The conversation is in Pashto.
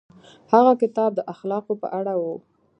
هغه کتاب د اخلاقو په اړه و.